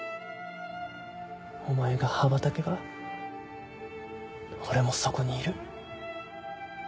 お前が羽ばたけば俺もそこにいる。